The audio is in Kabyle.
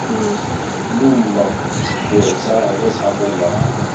Nnummeɣ ttedduɣ s aɣerbaz ɣef uḍar.